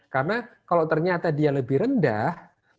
karena kalau ternyata dia lebih rendah